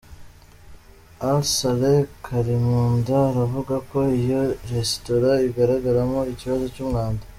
Al-Saleh Karimunda avuga ko iyo resitora igaragaramo ikibazo cy’ umwanda.